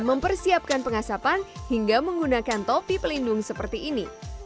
mempersiapkan pengasapan hingga menggunakan topi pelindung seperti ini